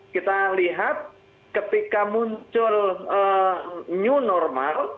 kita lihat ketika muncul new normal